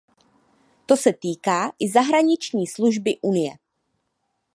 To se týká i zahraniční služby Unie.